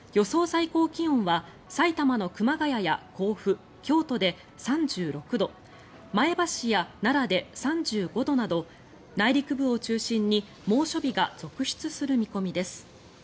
最高気温は埼玉の熊谷や甲府、京都で３６度前橋や奈良で３５度など内陸部を中心に猛暑日が続出する見込みです。